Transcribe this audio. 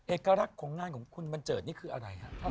เอกลักษณ์ของงานของคุณบันเจิดนี่คืออะไรฮะ